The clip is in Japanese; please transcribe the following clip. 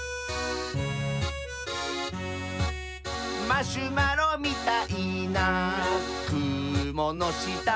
「マシュマロみたいなくものした」